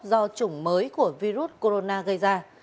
do chủng mới của virus corona gây ra